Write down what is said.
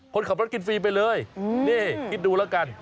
คนขับรถกินฟรีไปเลยนี่คิดดูแล้วกัน